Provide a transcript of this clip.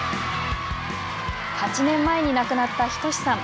８年前に亡くなった仁さん。